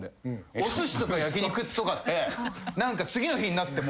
おすしとか焼き肉とかって次の日になっても。